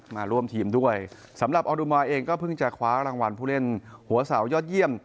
มาร่วมทีมด้วยสำหรับออนุมาเองก็เพิ่งจะคว้ารางวัลผู้เล่นหัวเสายอดเยี่ยม